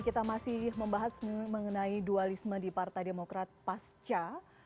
kita masih membahas mengenai dualisme di partai demokrat pasca